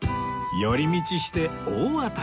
寄り道して大当たり